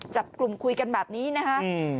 จับกลุ่มคุยกันแบบนี้นะคะ